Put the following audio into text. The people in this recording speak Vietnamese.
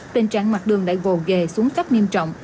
tên trạng mặt đường đã gồ ghề xuống cấp nghiêm trọng